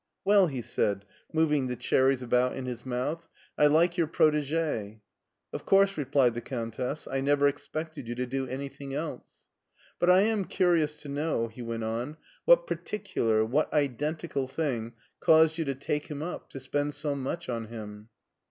" Well," he said, moving the cherries about in his mouth, " I like your protege,'* *'0f course," replied the Countess; "I never ex pected you to do anything else." " But I am curious to know," he went on, " what particular, what identical thing caused you to take him up, to spend so much on him."